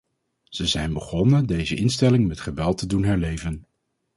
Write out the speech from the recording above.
Ze zijn begonnen deze instelling met geweld te doen herleven.